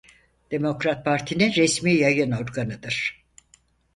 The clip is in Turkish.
Demokrat Partinin resmi yayın organıdır.